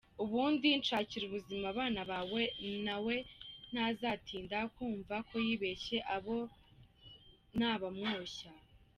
Ubundi nshakira ubuzima abana bawe nawe ntazatinda kumva koyibeshye abo nabamwoshya.